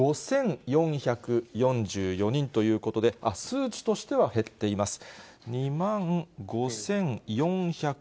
２万５４４４人ということで、数値としては減っています。